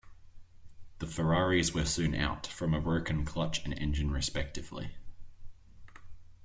The Ferraris were soon out, from a broken clutch and engine respectively.